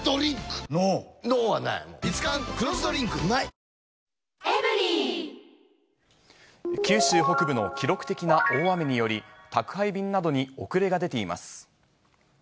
過去最大の補助金も九州北部の記録的な大雨により、宅配便などに遅れが出ています。